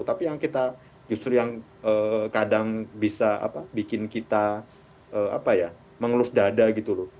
tapi yang kita justru yang kadang bisa bikin kita mengelus dada gitu loh